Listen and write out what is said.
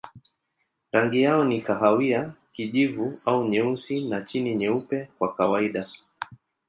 Rangi yao ni kahawia, kijivu au nyeusi na chini nyeupe kwa kawaida.